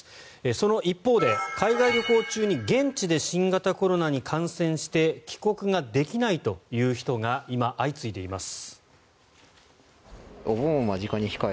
その一方で、海外旅行中に現地で新型コロナに感染して帰国ができないという人が今、相次いでいます。